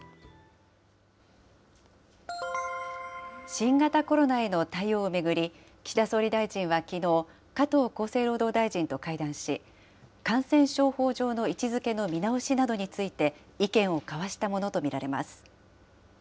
新型コロナへの対応を巡り、岸田総理大臣はきのう、加藤厚生労働大臣と会談し、感染症法上の位置づけの見直しなどについて、意見を交わしたものと見られます。